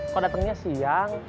kok datengnya siang